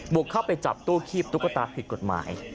บุกเข้าไปจับตู้คีบตุ๊กตาผิดกฎหมาย